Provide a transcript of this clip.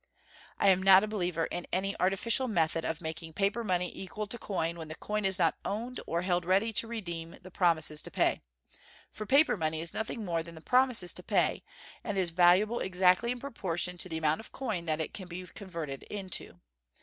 I am not a believer in any artificial method of making paper money equal to coin when the coin is not owned or held ready to redeem the promises to pay, for paper money is nothing more than promises to pay, and is valuable exactly in proportion to the amount of coin that it can be converted into.